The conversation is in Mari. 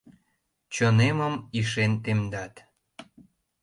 Чонемым ишен темдат.